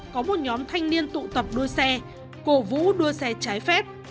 có một nhóm thanh niên tụ tập đua xe cổ vũ đua xe trái phép